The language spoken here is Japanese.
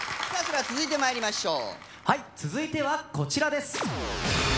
それでは続いてまいりましょうはい続いてはこちらです